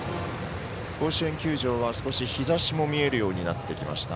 甲子園球場は少し日ざしも見えるようになってきました。